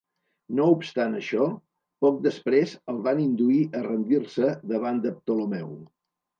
No obstant això, poc després el van induir a rendir-se davant de Ptolemeu.